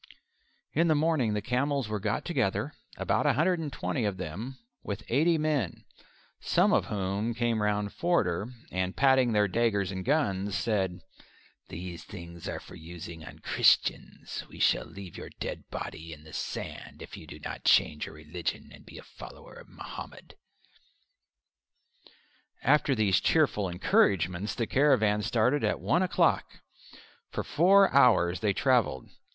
In the morning the camels were got together about a hundred and twenty of them with eighty men, some of whom came round Forder, and patting their daggers and guns said, "These things are for using on Christians. We shall leave your dead body in the sand if you do not change your religion and be a follower of Mohammed." After these cheerful encouragements the caravan started at one o'clock. For four hours they travelled.